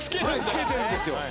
付けてるんですよ